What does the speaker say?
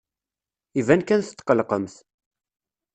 Iban kan tetqellqemt.